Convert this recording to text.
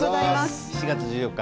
７月１４日